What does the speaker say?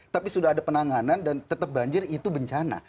tapi sudah ada penanganan dan tetap banjir itu bencana